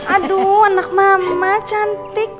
aduh anak mama cantik